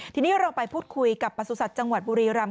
ทีนี้เราไปพูดคุยกับประสุทธิ์จังหวัดบุรีรำ